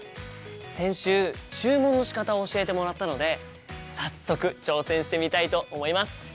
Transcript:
先週注文のしかたを教えてもらったので早速挑戦してみたいと思います。